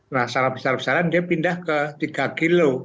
nah secara besar besaran dia pindah ke tiga kg